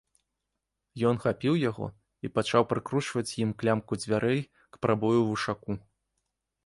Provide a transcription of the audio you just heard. Ён хапіў яго і пачаў прыкручваць ім клямку дзвярэй к прабою ў вушаку.